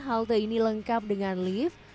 halte ini lengkap dengan lift